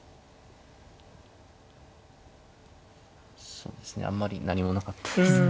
そうですねあんまり何もなかったですね。